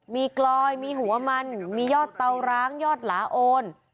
มีกลอยมีหัวมันมียอดเตาร้างยอดหลาโอน